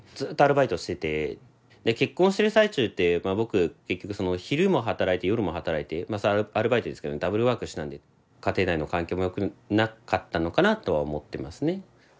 で結婚してる最中って僕結局昼も働いて夜も働いてまあアルバイトですけどねダブルワークしてたんで家庭内の環境も良くなかったのかなとは思ってますね。